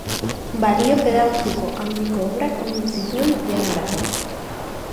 Balio pedagogiko handiko obrak ondu zituen pianorako.